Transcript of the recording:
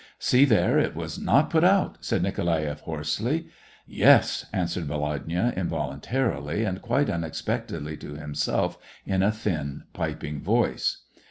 *'See there, it was not put out !" said Nikolaeff, hoarsely. " Yes," answered Volodya, involuntarily, and quite unexpectedly to himself, in a thin, piping voice.